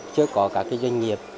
chưa có các cái doanh nghiệp